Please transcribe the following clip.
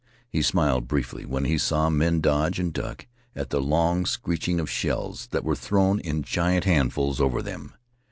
He smiled briefly when he saw men dodge and duck at the long screechings of shells that were thrown in giant handfuls over them.